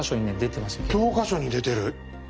教科書に出てる。